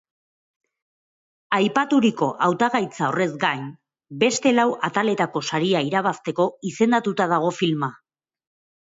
Aipaturiko hautagaitza horrez gain, beste lau ataletako saria irabazteko izendatuta dago filma.